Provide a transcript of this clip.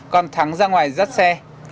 còn thắng ra ngoài dắt xe